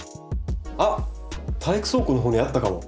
あっ体育倉庫のほうにあったかも。